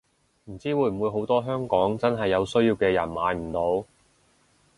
唔知會唔會好多香港真係有需要嘅人買唔到